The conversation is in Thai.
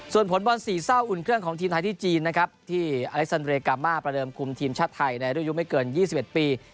ส่วนผลบอลสี่เศร้าอุ่นเครื่องของทีมไทยที่จีนนะครับที่อเล็กซันเรยกามาประเดิมคุมทีมชาติไทยในรุ่นอายุไม่เกิน๒๑ปี